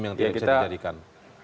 yang tidak bisa dijadikan